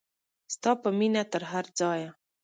ستا په مینه تر هر ځایه.